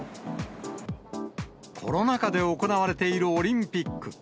コロナ禍で行われているオリンピック。